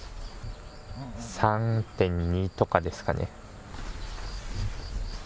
３．２とかですかね。